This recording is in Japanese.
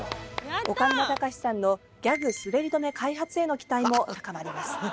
岡村隆史さんのギャグ滑り止め開発への期待も高まります。